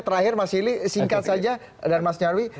terakhir mas silih singkat saja dan mas nyarwi